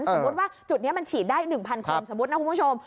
สมมุติว่าจุดนี้มันฉีดได้๑๐๐คนสมมุตินะคุณผู้ชม